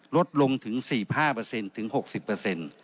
ลดลงถึง๔๕เปอร์เซ็นต์ถึง๖๐เปอร์เซ็นต์